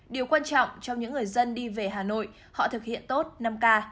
điều quan trọng trong những người dân đi về hà nội họ thực hiện tốt năm k